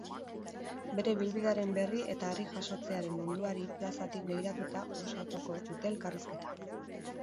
Bere ibilbidearen berri eta harri jasotzearen munduari plazatik begiratuta osatuko dute elkarrizketa.